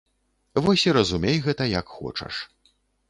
Вось і разумей гэта як хочаш.